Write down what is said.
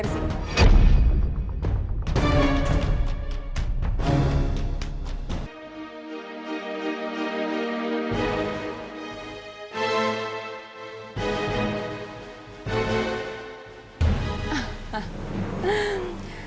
aku pergi dari sini